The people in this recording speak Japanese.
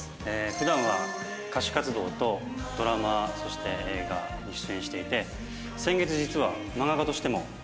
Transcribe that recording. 普段は歌手活動とドラマそして映画に出演していて先月実は。